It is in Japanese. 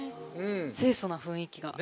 清楚な雰囲気が。